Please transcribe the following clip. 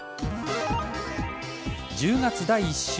１０月第１週。